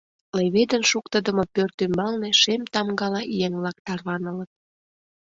Леведын шуктыдымо пӧрт ӱмбалне шем тамгала еҥ-влак тарванылыт.